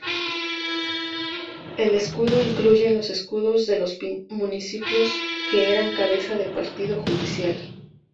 El escudo incluye los escudos de los municipios que eran cabeza de Partido Judicial.